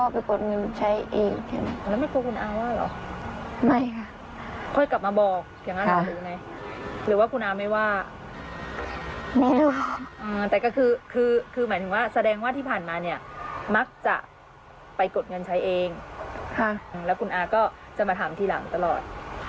ไปกดเงินใช้เองและคุณอาก็จะมาถามทีหลังตลอด